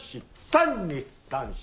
３２３４。